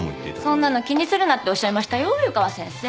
そんなの気にするなっておっしゃいましたよ湯川先生。